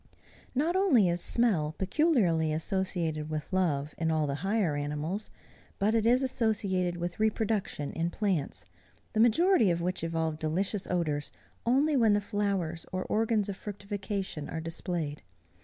Not only is smell peculiarly associated with love, in all the higher animals, but it is associated with reproduction in plants, the majority of which evolve delicious odors only when the flowers or organs of fructification are displayed.